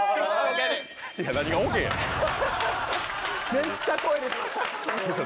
めっちゃ声出てました。